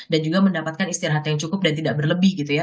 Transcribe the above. dan juga mendapatkan istirahat yang cukup dan tidak berlebih gitu ya